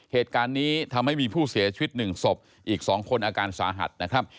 เหตุการณ์นี้ทำให้มีผู้เสียชีวิต๑ศพอีก๒คนอาการสาหัสนะครับ